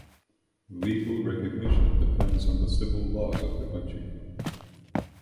Legal recognition depends on the civil laws of the country.